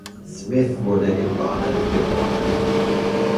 Smith wurde in Barnet geboren.